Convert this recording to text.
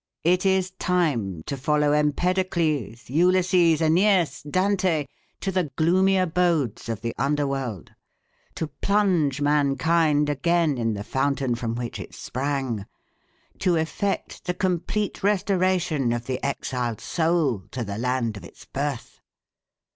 It is time to follow Empedocles, Ulysses, Æneas, Dante, to the gloomy abodes of the underworld, to plunge mankind again in the fountain from which it sprang, to effect the complete restoration of the exiled soul to the land of its birth!